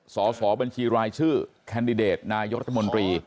สอบบัญชีรายชื่อแคนดิเดตนายกรัฐมนตรี